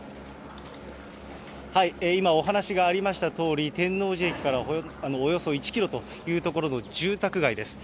今、お話がありましたとおり、天王寺駅からおよそ１キロという所の住宅街です。